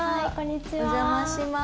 お邪魔します。